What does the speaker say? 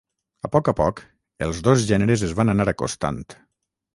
A poc a poc els dos gèneres es van anar acostant.